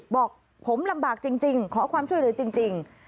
บอกผมลำบากจริงขอความช่วยเหลือจริง